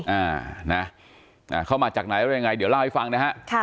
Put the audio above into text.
อ่านะอ่าเข้ามาจากไหนแล้วยังไงเดี๋ยวเล่าให้ฟังนะฮะค่ะ